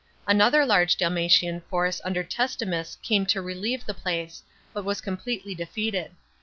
Another large Dalmatian force under Testimus came to relieve the place, but was completely defeated.